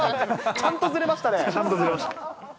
ちゃんとずれました。